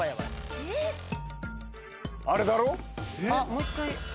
・あれだろ？